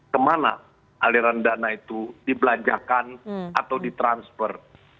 kemana aliran dana itu dibelanjakan atau ditransfer